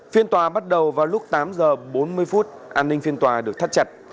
phiên tòa bắt đầu vào lúc tám h bốn mươi an ninh phiên tòa được thắt chặt